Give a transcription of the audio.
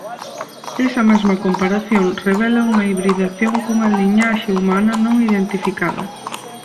Esa mesma comparación revela unha hibridación cunha liñaxe humana non identificada.